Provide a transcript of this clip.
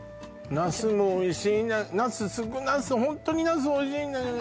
ナスもおいしいホントにナスおいしいんだよね